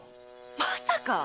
まさか！